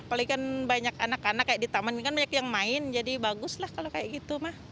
paling kan banyak anak anak kayak di taman kan banyak yang main jadi bagus lah kalau kayak gitu mah